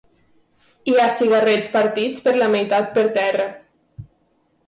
Hi ha cigarrets partits per la meitat per terra.